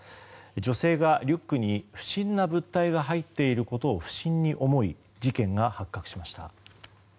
女性がリュックに不審な物体が入っていることを不審に思い事件が発覚しました。